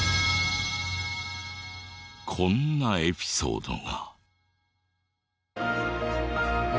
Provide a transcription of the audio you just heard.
こんなエピソードが。